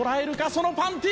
そのパンティ！